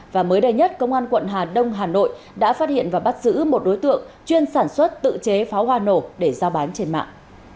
và mới đây nhất công an quận hà đông hà nội đã phát hiện và bắt giữ một đối tượng chuyên sản xuất tự chế pháo hoa nổ để giao bán trên mạng